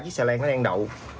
ba chiếc xe lạc nó đang đậu